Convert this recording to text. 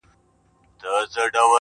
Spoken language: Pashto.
آثر د خپل یوه نظر وګوره ,